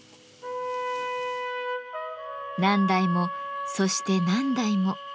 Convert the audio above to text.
何代もそして何代も。